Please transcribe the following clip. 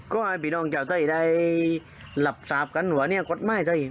ก็แอ้บิดองเจ้าใจได้หลับสาปกันหรือพอเนี่ยกฎไม้ใจ